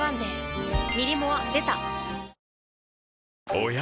おや？